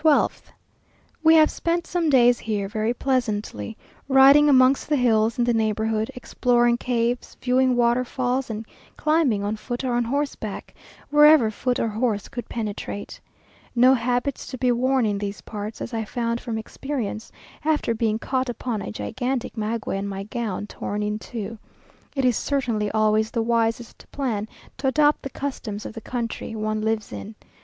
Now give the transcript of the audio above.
12th. We have spent some days here very pleasantly; riding amongst the hills in the neighbourhood, exploring caves, viewing waterfalls, and climbing on foot or on horseback, wherever foot or horse could penetrate. No habits to be worn in these parts, as I found from experience, after being caught upon a gigantic maguey, and my gown torn in two. It is certainly always the wisest plan to adopt the customs of the country one lives in.